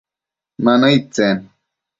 Ma nëid tsen ?